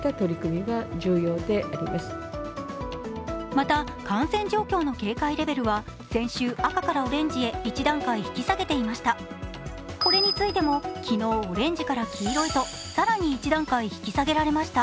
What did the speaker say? また感染状況の警戒レベルは先週、赤からオレンジへ一段階引き下げていました。